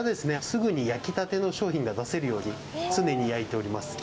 すぐに焼きたての商品が出せるように常に焼いております